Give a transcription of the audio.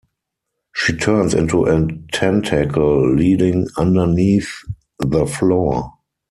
She turns into a tentacle leading underneath the floor.